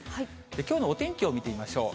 きょうのお天気を見てみましょう。